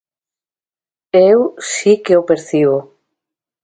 Eu si que o percibo.